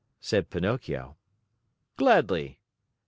said Pinocchio. "Gladly."